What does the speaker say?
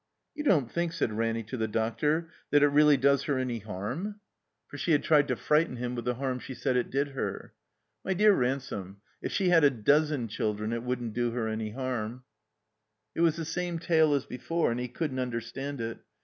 "You don't think," said Ranny to the doctor, "that it really does her any harm?" 228 THE COMBINED MAZE For she had tried to frighten him with the harm she said it did her. "My dear Ransome, if she had a dozen children it wotddn't do her any harm." It was the same tale as before, and he couldn't understand it.